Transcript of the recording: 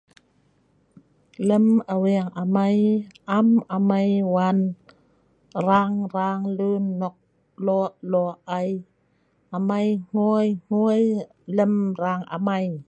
Lem aweng amai am amai wan rang rang lun nok lo' lo' ai, amai hngui, hngui lem rang amai